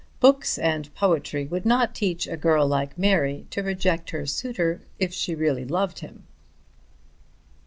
Books and poetry would not teach a girl like Mary to reject her suitor if she really loved him.